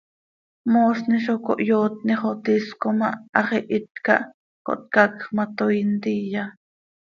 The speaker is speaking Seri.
Moosni zo cohyootni xo tis com ah hax ihít cah cohtcacj ma, toii ntiya.